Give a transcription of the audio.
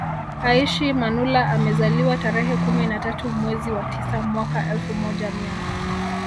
Aishi Manula amezaliwa tarehe kumi na tatu mwezi wa tisa mwaka elfu moja mia